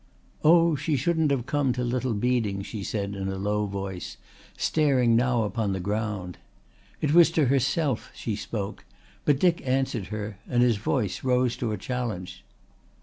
"Oh, she shouldn't have come to Little Beeding," she said in a low voice, staring now upon the ground. It was to herself she spoke, but Dick answered her, and his voice rose to a challenge.